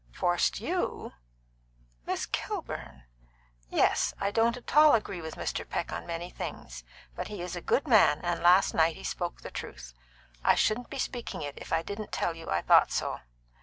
"Forced you? Miss Kilburn!" "Yes. I don't at all agree with Mr. Peck in many things, but he is a good man, and last night he spoke the truth. I shouldn't be speaking it if I didn't tell you I thought so."